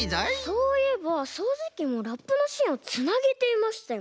そういえばそうじきもラップのしんをつなげていましたよね。